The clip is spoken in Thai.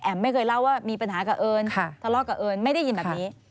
ไม่เคยเล่าว่ามีปัญหากับเอิญทะเลาะกับเอิญไม่ได้ยินแบบนี้